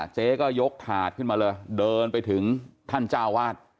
เจ๊ก็ยกถาดขึ้นมาเลยเดินไปถึงท่านเจ้าวาด